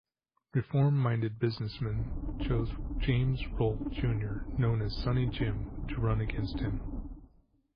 Reform-minded businessmen chose James Rolph, Junior known as "Sunny Jim", to run against him.